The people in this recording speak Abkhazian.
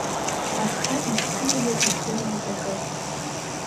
Аха ибзианы издыруеит акы…